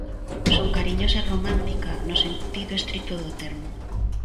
Son cariñosa e romántica no sentido estrito do termo.